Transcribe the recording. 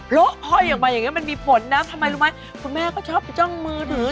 ละห้อยออกมาอย่างนี้มันมีผลนะทำไมรู้ไหมคุณแม่ก็ชอบไปจ้องมือถือ